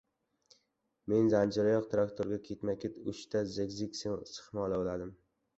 Men zanjiroyoq traktorga ketma-ket uchta «Zig-zag» sixmola uladim.